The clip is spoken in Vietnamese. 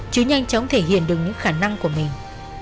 chứ nhanh chóng thể hiện được những khả năng của mình